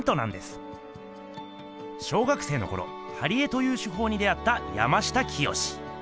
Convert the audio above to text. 小学生のころ貼り絵という手法に出会った山下清。